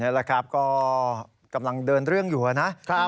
นี่แหละครับก็กำลังเดินเรื่องอยู่นะครับ